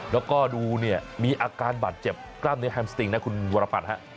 แล้วก็ดูเนี่ยมีอาการบาดเจ็บกล้ามเนื้อแฮมสติงนะคุณวรพัฒน์ฮะ